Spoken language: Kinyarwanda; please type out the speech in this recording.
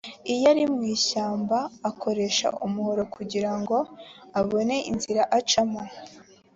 iyari mwishyamba akoresha umuhoro kugira ngo abone inzira acamo.